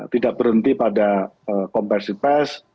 tidak berhenti pada kompersipes